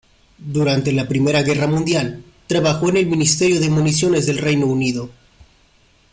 Durante la Primera Guerra Mundial, trabajó en el Ministerio de Municiones del Reino Unido.